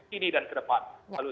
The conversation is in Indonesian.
kini dan kedepan